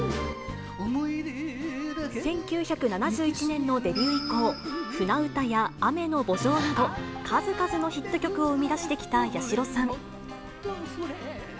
１９７１年のデビュー以降、舟唄や雨の慕情など、数々のヒット曲を生み出してきた八代さん。